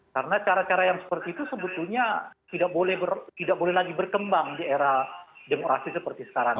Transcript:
karena cara cara yang seperti itu sebetulnya tidak boleh lagi berkembang di era demokrasi seperti sekarang ini